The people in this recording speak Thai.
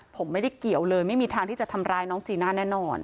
ผมไม่ได้เกี่ยวเลยไม่มีทางที่จะทำร้ายน้องจีน่าแน่นอน